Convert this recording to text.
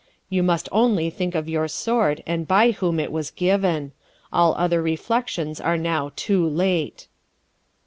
'You must only think of your sword, and by whom it was given. All other reflections are now TOO LATE.'